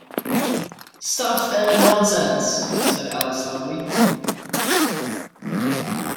‘Stuff and nonsense!’ said Alice loudly.